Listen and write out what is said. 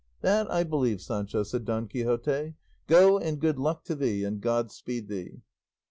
"That I believe, Sancho," said Don Quixote; "go and good luck to thee, and God speed thee."